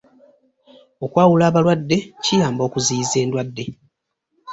Okwawula abalwaadde kiyamba okiziyiza endwadde.